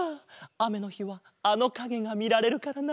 あめのひはあのかげがみられるからな。